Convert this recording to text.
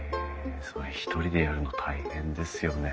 それ一人でやるの大変ですよね。